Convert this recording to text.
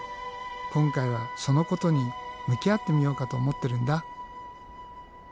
今回はそのことに向き合ってみようかと思ってるんだ。